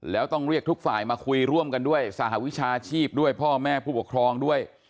แล้วต้องเรียกทุกฝ่ายมาคุยร่วมกันด้วยสหวิชาชีพด้วยพ่อแม่ผู้ปกครองด้วย